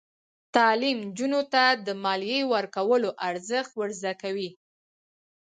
تعلیم نجونو ته د مالیې ورکولو ارزښت ور زده کوي.